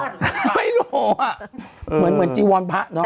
ไม่รู้อ่ะเหมือนจีวรพระเนาะ